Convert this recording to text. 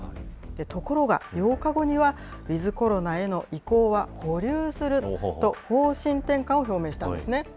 ところが８日後には、ウィズコロナへの移行は保留すると、方針転換を表明したんですね。